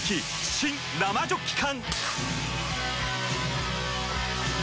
新・生ジョッキ缶！